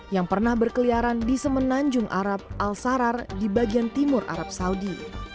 yang pernah berkeliaran di semenanjung arab al sarar di bagian timur arab saudi